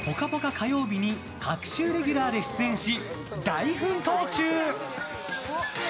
火曜日に隔週レギュラーで出演し大奮闘中。